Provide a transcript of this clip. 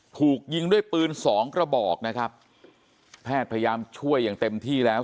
ถูกยิงด้วยปืนสองกระบอกนะครับแพทย์พยายามช่วยอย่างเต็มที่แล้ว